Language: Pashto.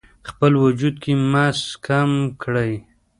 خپل وجود کې مس کم کړئ: